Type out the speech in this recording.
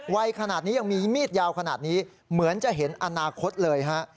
วัยขนาดนี้ยังมีมีดยาวขนาดนี้เหมือนจะเห็นอนาคตเลยฮะ